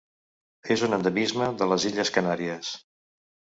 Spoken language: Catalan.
És un endemisme de les illes Canàries: